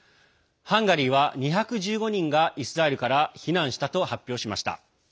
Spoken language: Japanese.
ハンガリーは、２１５人がイスラエルから避難したと発表しました。